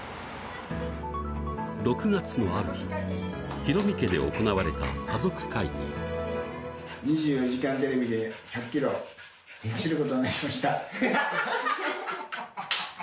６月のある日、ヒロミ家で行２４時間テレビで１００キロ走ることになりました。